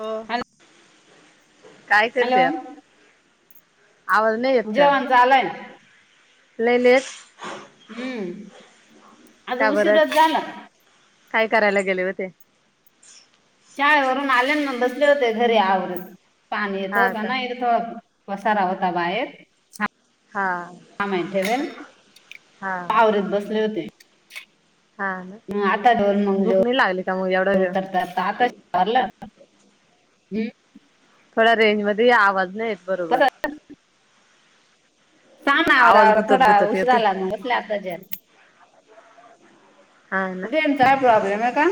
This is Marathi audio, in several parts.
हो हॅल काय हॅलो करतेय आवाज नाही जेवण झालय. लयलयच हम्म आज का बर उशीरच झाला काय करायला गेले होते? शाळेवरून आल्यान मग बसले होते घरी आवरत पाणी येत हा होत का ना हो पसारा होता बाहेर हा काम ठेवेल हा आवरत बसले होते. हा ना मग आता धोल मग भूक नाही लागली का मग एवढा धोल वेळ करतात तकारला थोड रेंज मध्ये ये आवाज नाहीे येत बस बरोबर. सांग ना आवरा आवाज आवर गुतत थोडा गुतत उशिर येतोय लाग बसल्याता ज हा ना रेंजचा काय प्रॉब्लेम आहे का?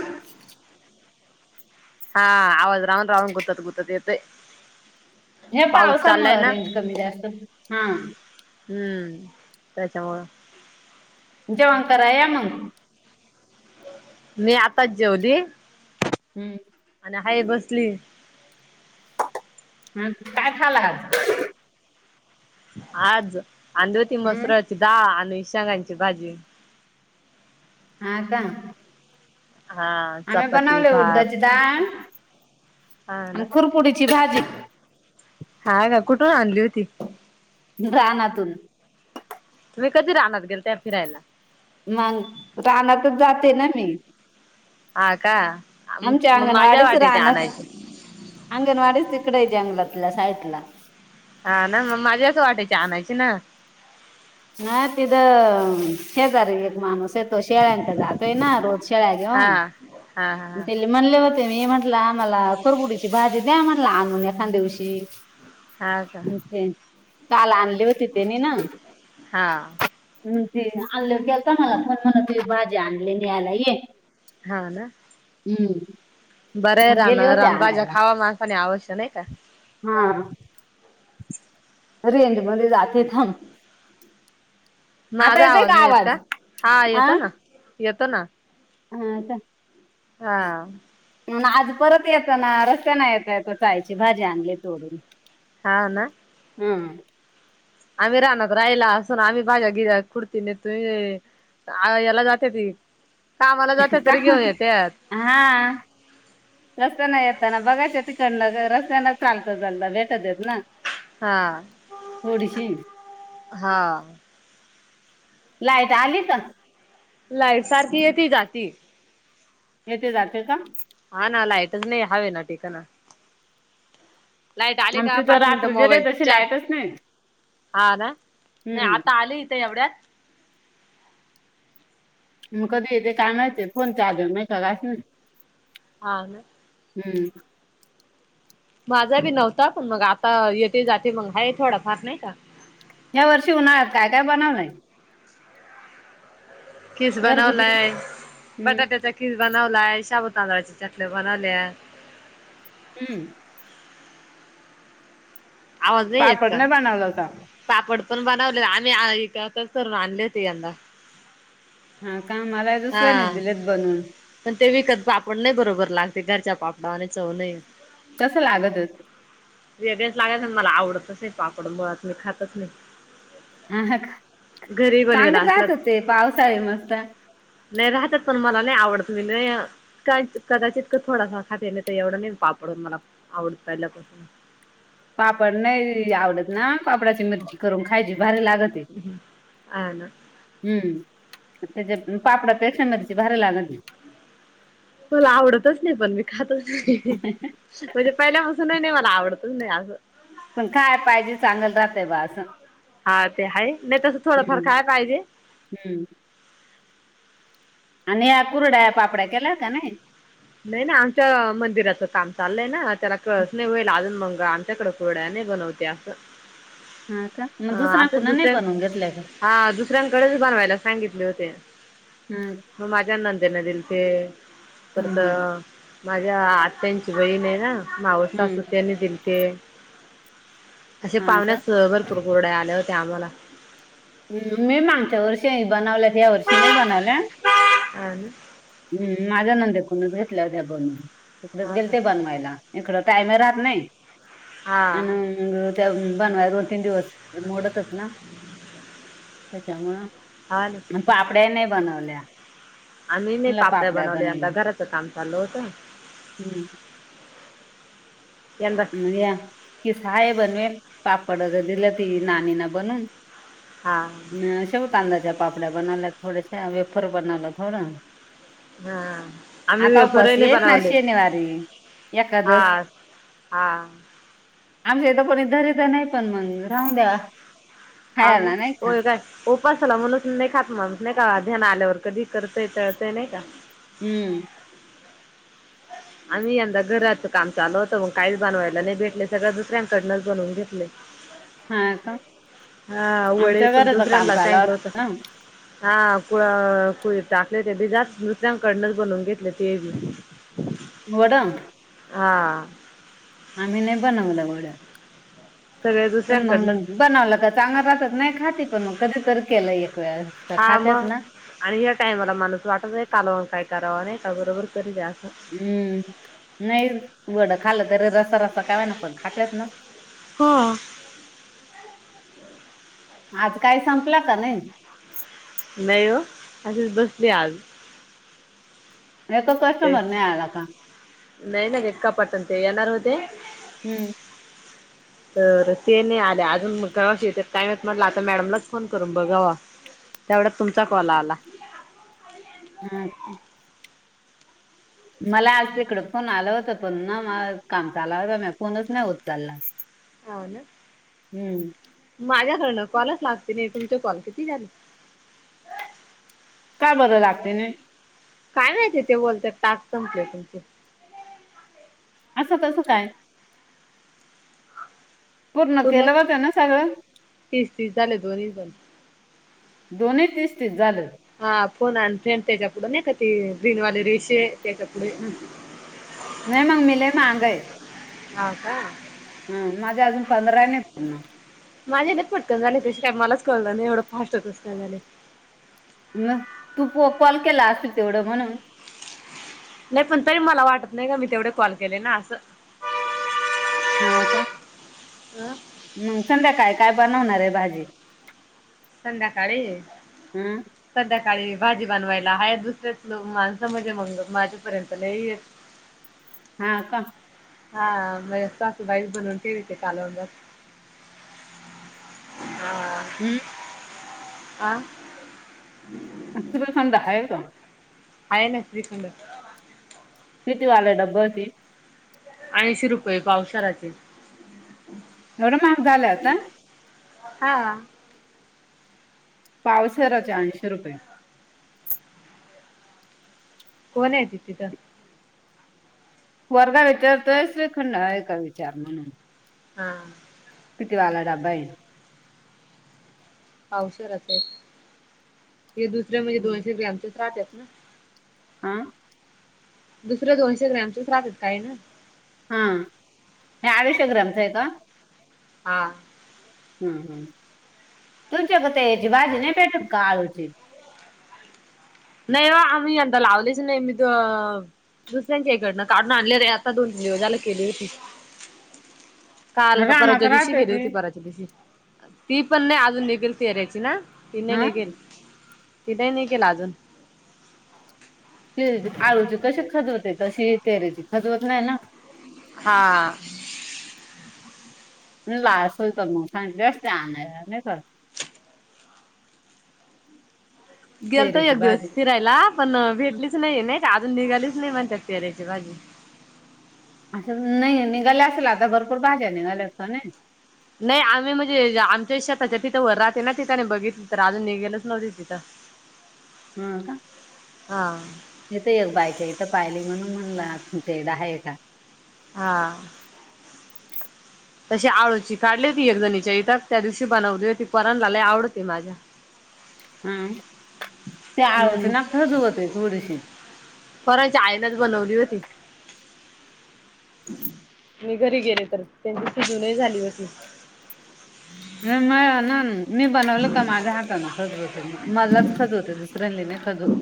हां आवाज राहूण राहूण गुतत गुतत येतोय. ह्या पाऊस चाललाय पावसामुळं ना रेंज कमी जास्त हां हम्म त्याच्यामुळं जेवण कराय या मग. मी आत्ताच जेवली हम् आणि हाय बसली. ह काय खालं आज? आज आणली होती हम्म मसुराची दाळ आणि शेंगांची भाजी. हां का? हां आम्ही बनवले उडदाची डाळ हा ना आणि खुरपुडीची भाजी. हां का, कुठून आणली होती? रानातून. तुम्ही कधी रानात गेलत्या फिरायला. नाही रानाच जाते ना मी. हा का आमच्या माझ्या वाटाच्या आणायची. अंगनवाडीच तिकडे जंगलातल्या साईटला. हा ना मग माझ्याच वाट्याची आणायची ना. नाही तिथं शेजारी एक माणूस ये शेळ्यांत जातोय ना रोज शेळ्या हा घेऊन हा हा म्हणले होते मी म्हटलं आम्हाला कुरकुडीची भाजी द्या म्हटला आणून एखाद दिवशी. हा का काल आणली होते तीनी ना. हा. ते आणल्यावर केलता मला फोन म्हण तु भाजी आणली न्यायला ये. हा ना. हम्म. बरे मग रान गेले होते रान भाज्या आणायला. खावा माणसानी आवश्य नाही का? हो. रेंजमध्ये जाते थांब. माझा आवाज नाही येत का? हा आ येतो ना येतो ना. हा का. हा आज परत येताना रस्त्याने येता येता चायची भाजी आणली तोडून. हां ना. हम्म. आम्ही राहनात राहिला असून, आम्ही माझ्या गिऱ्हाईकपूर्ती देतोय. अ याला जात्यात. का हा. रस्त्याना येेतना बघायच तिकडन रस्त्याने चालतं चालत भेटतात ना. हा थोडीशी. हा लाईट आलीच. लाईट सारखी येती जाती. येते जाते का? हा ना लाईटच नाही हवे ना ठिकाण. लाईट आले का आमची तर पाच मिनिट रात्री गेले मोबाईल तशी चार. लाईटच नाही हा ना नाही, हम्म आता आले इथे एवढ्यात. मग कधी येते कामाच फोन चार्जिंग राहत नाही. ह ना. हम्म. माझा बी नव्हता पण, मग आता येथे जाते मग हाये थोडा फार नाही का. या वर्षी उन्हाळ्यात काय काय बनवलंय? किस घरगुती बनवलाय हम्म बटाट्याचा किस बनवलाय शाबू तांदळाच्या चकल्या बनवल्या. हम्म. आवाज नाही येत पापड का? बनवला होता पापड पण बनवले. आम्ही [inaudible] तरून आणले होते यंदा. हा का मला दुसऱ्याने हा दिलेत बनवून. पण ते विकत पापड नाही बरोबर लागत, घरच्या पापडा वाणी चव नाही. कसं लागतं? वेगळच लागतं मला आवडतच नाही, पापड मुळात नाही खातच नाही. हा ह घरी बनवेला सांगत असला राहत होते पावसाळ मस्त. नाही राहतात पण मला नाही आवडत न. काईच कदाचित का थोडासा खाते तर एवढं नाही पापडून मला आवडत पहिल्यापासून. पापड नाही आवडत ना पापडाची मिरची करून खायची भारी लागते. [unintelligible] आ ना. हम् त्याच्या पापडा पेक्षा मिरची भारी लागते. मला आवडतच नाही पण मी खातच नाही. म्हणजे पहिल्यापासून नाही मला आवडतच नाही असं. पण काय पाहिजे चांगल राहतय बास. हा ते आहे नाही तस थोडंफार काय पाहिजे. हम्म. आणि या कुरड्या पापड्या केल्या का नाही. नाही ना आमच्या मंदिराचं काम चाललंय ना, त्याला कळत नाही होई [unintelligible] मंग आमच्याकड. घोड्याने बनवत्या. हा का मग दुसऱ्या असं कुणा नाही दुसऱ्यां बनवून घेतलय का. हा दुसऱ्यांकडेच बनवायला सांगितले होते. हम्. माझ्या नंदेन दिल ते. परत हम्म माझ्या आत्यांची बहीण आहे ना. मावस सासू हम्म त्यानी दिल ते. असे हा का पाहण्यास भरपूर कुरड्या आले होते आम्हाला. मी मागच्या वर्षी बनवल्यात या वर्षी नाही बनवल्या. अ [unintelligible] हम् माझ्या नंदे कोणच घेतल्या होत्या बन तकडच हा गेल का ते बनवायला. इकडं टायम्या राहत नाही. हां. आणि त्या बनवाय दोन तीन दिवस मोडतच ना. त्यांच्यामुळ. हान. पापड्या नाही बनवल्या. आम्ही नाही म्हणलं पापड्या बनवल्या बनवेल आमच घराच काम चालल होतं. हम्म. यंदा. या कि सहाय बनवेल पापड अगर दिले तिजे नानीन बनवून. हां. शेव तांद्याच्या पापड्या बनावल्यात थोड्याश्या वेफर बनवला थोडं. हा आम्ही आता उपास वेफरही नाही येईल ना बनवले शनिवारी हा. एकादस हा. आमच्या इथं कोणी द [unintelligible] नाही पण मग राहू द्या. आम [unintelligible] उपसाला म्हणूनच नाही खात म्हण नाही का ध्यान आल्यावर कधी करतय तळतय नाही का? हम्म. आम्ही यंदा घराचा काम चाल होत मग काहीच बनवायला नाही भेटल सगळं दुसऱ्यांकडनच बनवून घेतलय. [inaudible] का हा वडे आमच्या पण घराचं काम दुसऱ्यांना चालू [unintelligible] होत. हा कुळ कुळता ते [unintelligible] कडनच बनवून घेतले ते. [inaudible] वडा. हा, आम्ही नाही बनवलं वड. सगळे पण दुसऱ्यांकडनंच मग बनवलं का चांगलं असचत नाही खाती पण मग कधीतरी केलं एक वेळस. हा मग आणि या टाइमाला माणूस वाटत आहे कालवण काय करावं नाही का बरोबर करी जा असं. हम्म नाही वडं खाल्लं तरी रसा रसा का व्हिना न पण खात्यात ना. हो, आजकाय संपलं का नाही. नाही असचं बसली आज. एक ते कस्टमर नाही आला का. नाही ना ते कपाट आण ते येणार होतं. हम्म तर ते नाही आले अजून मग कवाशी येत्यात काय माहित म्हटलं आता मॅडमलाचं फोन करून बघावा. तेवढ्या तुमचा कॉल आला. हा, मला आज तिकडं फोन आलं होत पण ना म काम चाल होता म फोनच नाही उचलला. हा ना. हम्म, माझ्याकडनं कॉलचं लागते नाही तुमचे कॉल किती झाले. काय बरं लागते नाही. काय नाही ते बोलतात टास्क संपले तुमचे. असं कसं काय. पूर्ण केलं वंते त्यानं सगळं. तीस तीस झाले दोन्ही पण. दोन्ही तीस तीस झालं. हा फोन आलतंय त्याच्या पुुढं का ती ग्रीन वाले रेषे त्याच्या. पुढे हम् नाय मग मी लय मागे हाई. हा का. हा माझ्या अजून पंधरा नाही पडलं. माझ्या नाही पटकन झाले कस काय मलाच कळलं नाही एवढं फास्ट कसं काय झाले. न तू फो कॉल केला असेल तेवढं म्हणून. नाही पण तरी मला वाटत नाही का मी तेवढे कॉल केले ना असं. हा का. न, मंग संध्याकाळी काय बनवणार आहे भाजी. संध्याकाळी. हं? संध्याकाळी भाजी बनवायला हा दुसरेचं माणसं म्हणजे मगं माझ्या पर्यंत नाही येतं. हा का. हा माझ्या सासुबाई बनवती कालवणं भात. हा, हम. अं. सगळं समदं आहे का. हाय ना श्रीखंड ते. किती वाले डबं ती. ऐंशी रुपये पावशेरचे. एवढं महाग झालं आता. हा. पावशेरच आंयशी रुपये. कोण आहे ति तिथं. पोरगा विचारतोयं श्रीखंड आहे का विचार म्हणून. हा. कितीवाला डबा आहे. पावशेरचं आहेत, हे दुसरे म्हणजे दोनशे ग्रॅमचेचं राहतात ना. आं. दुसरे दोनशे ग्रॅमचं राहतात काय ना. हा ते आडीशे ग्रामचं येतं. हा. हम्म हम् तुमच्याक ते याची भाजी नाही भेटत का आळूची. नाही ओ आम्ही यंदा लावलीच नाही मी त दुसऱ्यांच्याहीकडन काढून आणले रे आता दोन दिवसा झाल केली होती. [inaudible] काल का रानात परच्या दिवशी राहते गेली ती. होती परवाच्या दिवशी ती पण नाही अजून निघेल फिरायची ना. तिने हा निघेल ति नाही निघेल अजून. आळूची कशी खजवते तशी तेरेची खजवत नाही ना. हा. [unintelligible] सांगितलं असते आणायला नाही का. गेलतोय तेरेची एक दिवस भाजी. फिरायला पण भेटलीच नाही नाही अजून निघालीच नाही म्हणत फिहरायची भाजी. असं नाही निघाले असेल आता भरपूर भाज्या निघाल्यात [unintelligible] नाही आम्ही म्हणजे आमच्या [unintelligible] तिथं वर राहते ना तिथं नाही बघितल तर अजून निघेलच नव्हती तिथं. हम का? हा इथं एक बायक इथं पाहिली म्हणून म्हणल तुमच्या इथं आहे का. हा. तशी आळूची काढली ती एक [unintelligible] त्या दिवशी बनवले हो ती पोरांनला लई आवडते माझ्या. हम त्या हम्म आवचना खजवते थोडीशी. पोरांच्या आईनच बनवली होती. मी घरी गेले तर त्यांची शिजूनही झाली होती. [unintelligible] मी बनवलं का माझ्या हातानं खजवते म मलाच खजवते दुसऱ्या लेना नाही खजवत.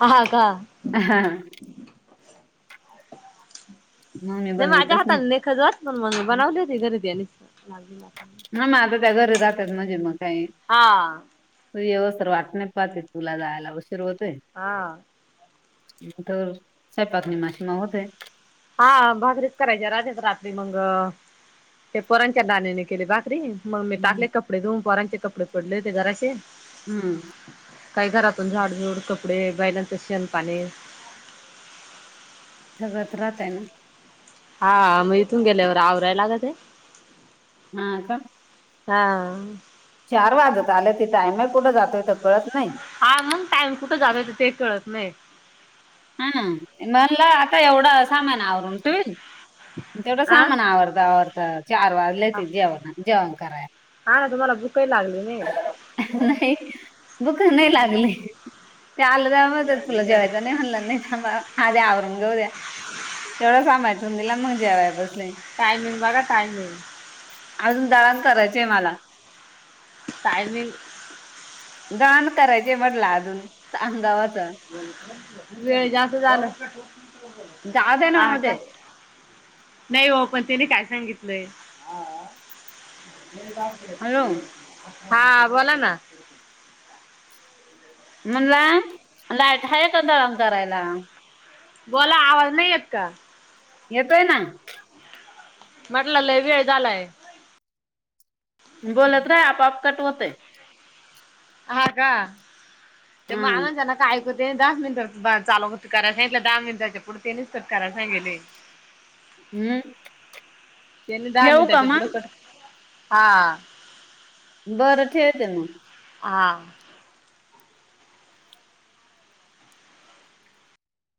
हा का? [unintelligible] नाही माझ्या हाताने नाही खजरत म बनवली होती घरदी आणि [unintelligible] राहत्यात म्हणजे मग काय. हा त येव सर वाट नाही पाहते तुला जायला उशीर होतय. हा. तर स्वयंपाक न माझी [unintelligible] हा भाकरीच करायच्या राज्या रात्री मग ते पोरांच्या गाण्याने केले भाकरी मग मी टाकले हम्म कपडे धून पोरांचे कपडे पडले होते जराशे. हम्म. काही घरातून झाडझुड कपडे बैलांच शेण पाणी. सगळ्यात राहतय ना. हा म इथून गेल्यावर आवराय लागतय. हा का? हां. चार वाजत आले ते टायमे कुठे जातोय कळत नाही. हा मंग टाइम कुठं जालायच ते कळत नाही. हा म्हणला आता एवढं सामान आवरून ठेवील. तेवढं आ सामान आवरता आवरता चार वाजले ते जेवणा जेवण कराय. हा ना तुम्हाला भूक ही लागली. नाही नाही भुकं नाही लागले. ते आलं जाव म तर तुला जेवायच नाही म्हणला नाही. थांबा आदी आवरून घेऊ द्या तेवढा समाटून दिला मंग जेवया बसले. टायमिंग बघा टायमिंग. अजून दळान करायचंय मला. टायमिंग कान करायचे म्हटलं अजून आमगावाचं. वेळ जास्त झालं जाऊ दे ना हा होऊ दे का? नाही हो पण त्याने काय सांगितलंय? हॅलो हा बोला ना. म्हणला लायट आहे का दळण करायला? बोला आवाज नाही येत का? येतोय ना. म्हटला लय वेळ झालाय. बोलत राह आपोआप कट होते. हा का ते हा माना जाना का ऐक अगं तेनी दहाच मिनिटं चालू होतं कराय सांगितलं दहा मिनिटाच्या पुढे तेनेच कट करायला सांगेले. हम्म. त्यांनी दहा ठेवू का मिनिटाच्या पुढे मग कट हा. बरं ठेवते मंग. हा.